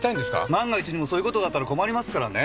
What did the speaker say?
万が一にもそういう事があったら困りますからね。